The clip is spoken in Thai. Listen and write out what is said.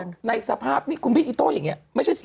พี่เอ็นในสภาพนี่คุณพิษอิโต้อย่างเงี้ยไม่ใช่สิ